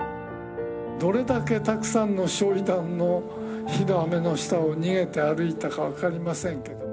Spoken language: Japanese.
どれだけたくさんの焼い弾の火の雨の下を逃げて歩いたか分かりませんけど。